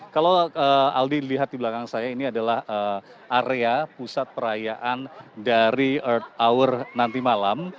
kalau aldi lihat di belakang saya ini adalah area pusat perayaan dari earth hour nanti malam